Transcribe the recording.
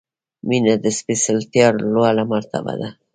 • مینه د سپېڅلتیا لوړه مرتبه ده.